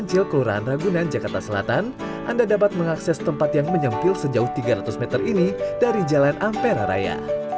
di cil kelurahan ragunan jakarta selatan anda dapat mengakses tempat yang menyempil sejauh tiga ratus meter ini dari jalan ampera raya